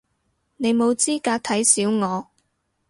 你冇資格睇小我